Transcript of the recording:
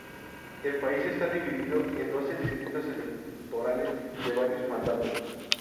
El país está dividido en doce distritos electorales de varios mandatos.